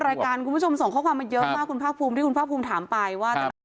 รายการคุณผู้ชมส่งข้อความมาเยอะมากคุณภาคภูมิที่คุณภาคภูมิถามไปว่าตลาด